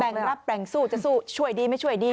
ก็เลยแบ่งรับแบ่งสู้จะสู้ช่วยดีไม่ช่วยดี